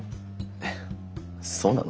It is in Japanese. えっそうなの？